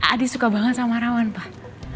adi suka banget sama rawon pak